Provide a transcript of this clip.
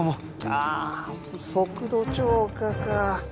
ああ速度超過か。